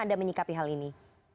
anda menyikapi hal ini